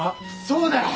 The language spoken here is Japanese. そうだよ。